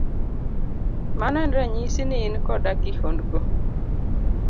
Mano en ranyisi ni in koda kihondko.